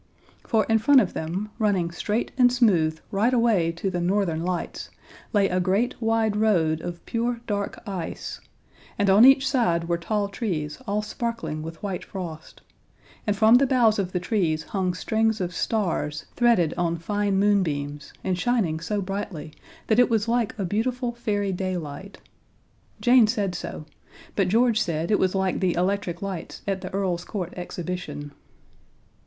For in front of them, running straight and smooth right away to the Northern Lights, lay a great wide road of pure dark ice, and on each side were tall trees all sparkling with white frost, and from the boughs of the trees hung strings of stars threaded on fine moonbeams, and shining so brightly that it was like a beautiful fairy daylight. Jane said so; but George said it was like the electric lights at the Earl's Court Exhibition.